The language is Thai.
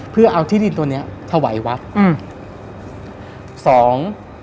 เพื่อเอาที่ดินตัวนี้ถวายวัฒน์